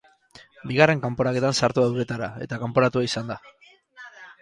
Bigarren kanporaketan sartu da uretara, eta kanporatua izan da.